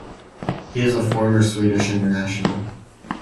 He is a former Swedish international.